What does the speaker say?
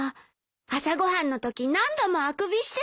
朝ご飯のとき何度もあくびしてたもん。